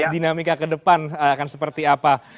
dinamika ke depan akan seperti apa